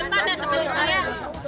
oh begini ya